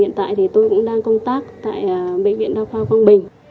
hiện tại tôi cũng đang công tác tại bệnh viện đa khoa huyện quang bình